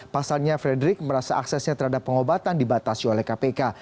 pasalnya frederick merasa aksesnya terhadap pengobatan dibatasi oleh kpk